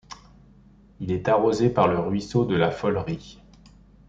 Il est arrosé par le ruisseau de la Follerie.